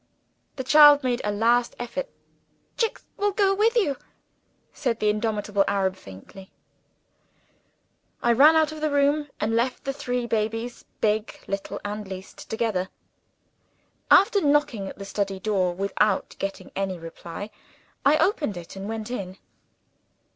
The child made a last effort. "Jicks will go with you," said the indomitable little Arab faintly. I ran out of the room, and left the three babies big, little, and least together. After knocking at the study door without getting any reply, I opened it and went in.